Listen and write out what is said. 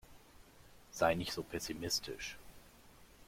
Sei nicht so pessimistisch.